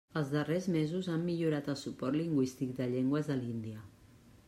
Els darrers mesos han millorat el suport lingüístic de llengües de l'Índia.